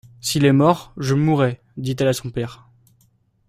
S'il est mort, je mourrai, dit-elle à son père.